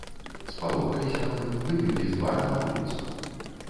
Спалохаліся мы, выбеглі з двара на вуліцу.